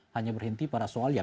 hanya berhenti pada soal yang